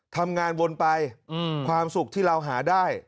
ทำงานวนไปความสุขที่เราหาได้